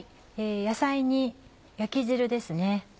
野菜に焼き汁です。